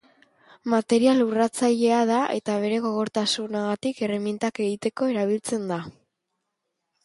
Material urratzailea da eta bere gogortasunagatik erremintak egiteko erabiltzen da.